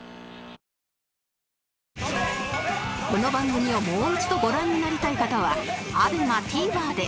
この番組をもう一度ご覧になりたい方は ＡＢＥＭＡＴＶｅｒ で。